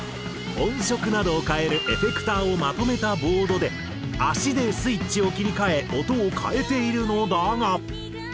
音色などを変えるエフェクターをまとめたボードで足でスイッチを切り替え音を変えているのだが。